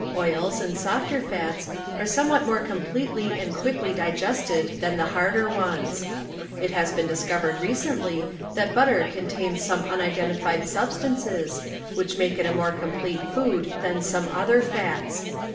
Oils and softer fats are somewhat more completely and quickly digested than the harder ones. It has been discovered recently that butter contains some unidentified substances which make it a more complete food than some other fats.